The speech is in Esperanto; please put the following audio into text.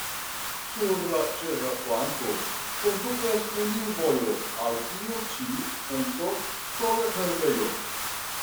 Sur la ĉeĥa flanko kondukas neniu vojo al tiu ĉi ponto, sole herbejo.